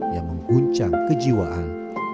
yang mengguncang kejiwaan